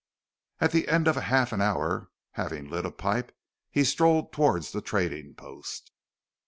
At the end of half an hour, having lit a pipe, he strolled towards the trading post.